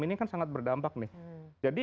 ini kan sangat berdampak nih jadi